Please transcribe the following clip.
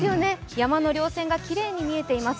山の稜線がきれいに見えています。